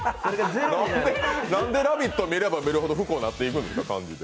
何で「ラヴィット！」見れば見るほど不幸になっていくんですか？